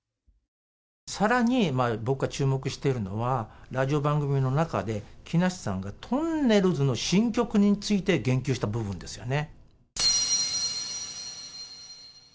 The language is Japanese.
さらに僕が注目しているのは、ラジオ番組の中で、木梨さんが、とんねるずの新曲について言及した部分ですよね。